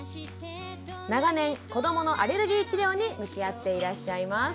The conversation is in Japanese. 長年こどものアレルギー治療に向き合っていらっしゃいます。